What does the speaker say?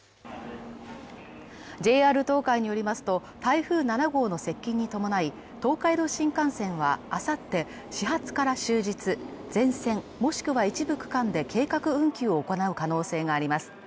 ＪＲ東海によりますと、台風７号の接近に伴い東海道新幹線は、あさって始発から終日、全線もしくは一部区間で計画運休を行う可能性があります。